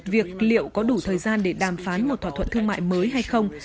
việc liệu có đủ thời gian để đàm phán một thỏa thuận thương mại mới hay không